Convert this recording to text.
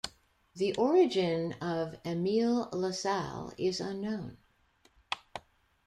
The origin of Emil LaSalle is unknown.